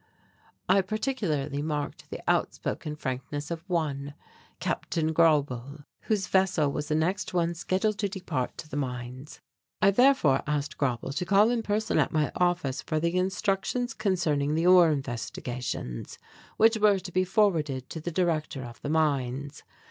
I particularly marked the outspoken frankness of one, Captain Grauble, whose vessel was the next one scheduled to depart to the mines. I therefore asked Grauble to call in person at my office for the instructions concerning the ore investigations which were to be forwarded to the Director of the Mines.